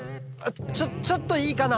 ちょっちょっといいかな？